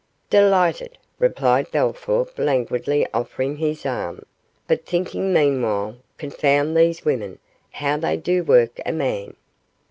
'Delighted,' replied Bellthorp, languidly offering his arm, but thinking meanwhile, 'confound these women, how they do work a man.